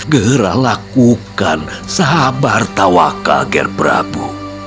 gerak lakukan sahabat tawaka gerbrabu